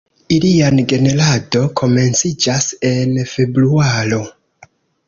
Ilian generado komenciĝas en februaro.